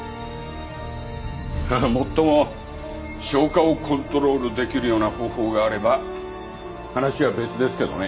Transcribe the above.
もっとも消化をコントロールできるような方法があれば話は別ですけどね。